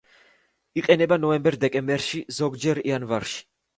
იყინება ნოემბერ-დეკემბერში, ზოგჯერ იანვარში.